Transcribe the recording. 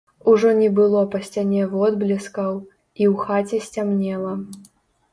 Ужо не было па сцяне водблескаў, і ў хаце сцямнела.